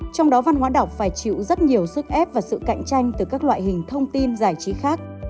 trong đó văn hóa đọc phải chịu rất nhiều sức ép và sự cạnh tranh từ các loại hình thông tin giải trí khác